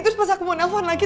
terus pas aku mau nelfon lagi